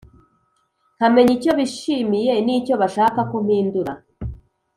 nkamenya icyo bishimiye n’icyo bashaka ko mpindura.